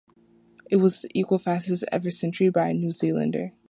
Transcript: It was the equal fastest ever century by a New Zealander.